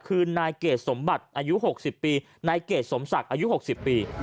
คือนายเกดสมบัติอายุ๖๐ปีนายเกดสมศักดิ์อายุ๖๐ปี